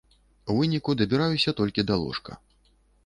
У выніку дабіраюся толькі да ложка.